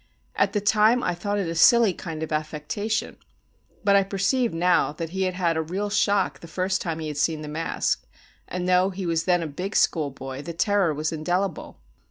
At the time I thought it a silly kind of affectation. But I perceive now that he had had a real shock the first time he had seen the mask; and though he was then a big schoolboy, the terror was indelible.